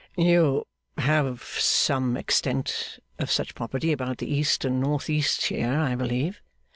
'You have some extent of such property about the east and north east here, I believe?